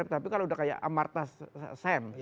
tapi kalau udah kayak amartya sen